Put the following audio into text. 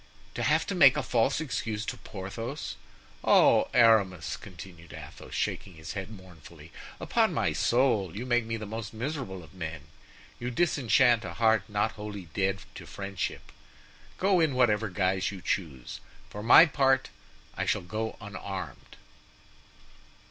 to have to make a false excuse to Porthos! Oh, Aramis!" continued Athos, shaking his head mournfully, "upon my soul, you make me the most miserable of men; you disenchant a heart not wholly dead to friendship. Go in whatever guise you choose; for my part, I shall go unarmed."